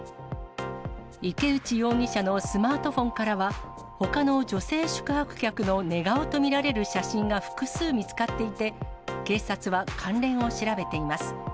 池内容疑者のスマートフォンからは、ほかの女性宿泊客の寝顔と見られる写真が複数見つかっていて、警察は関連を調べています。